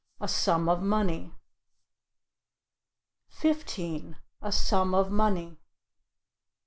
"A sum of money." 15. "A sum of money."